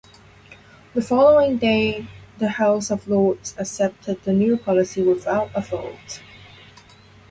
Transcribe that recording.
The following day the House of Lords accepted the new policy without a vote.